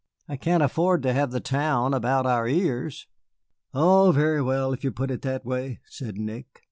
I can't afford to have the town about our ears." "Oh, very well, if you put it that way," said Nick.